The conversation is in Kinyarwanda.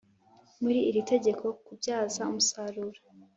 Muri iri tegeko kubyaza umusaruro